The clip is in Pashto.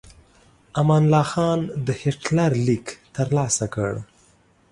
امان الله خان د هیټلر لیک ترلاسه کړ.